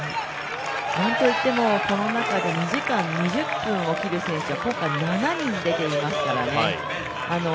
なんといってもこの中で２時間２０分を切る選手が今回７人、出ていますからね。